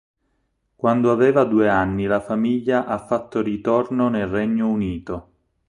Quando aveva due anni la famiglia ha fatto ritorno nel Regno Unito.